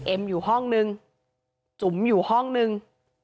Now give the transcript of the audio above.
เอ็มอยู่ห้องนึงจุ๋มอยู่ห้องนึง